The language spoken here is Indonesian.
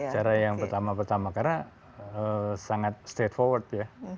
cara yang pertama pertama karena sangat state forward ya